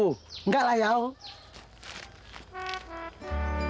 enggak lah yaong